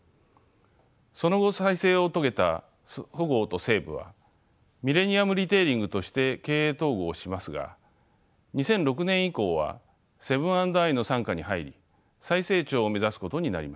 その後再生を遂げたそごうと西武はミレニアムリテイリングとして経営統合しますが２００６年以降はセブン＆アイの傘下に入り再成長を目指すことになりました。